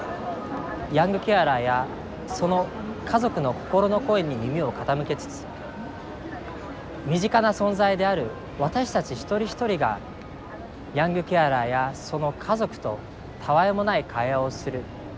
ヤングケアラーやその家族の心の声に耳を傾けつつ身近な存在である私たち一人一人がヤングケアラーやその家族とたわいもない会話をする。